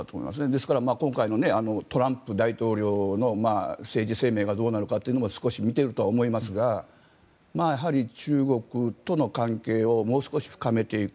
ですから今回のトランプ大統領の政治生命がどうなるかというのも少し見てるとは思いますがやはり中国との関係をもう少し深めていく。